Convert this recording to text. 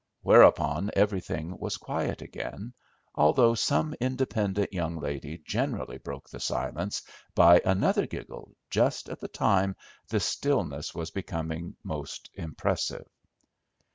whereupon everything was quiet again, although some independent young lady generally broke the silence by another giggle just at the time the stillness was becoming most impressive.